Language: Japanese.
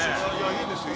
いいですよ。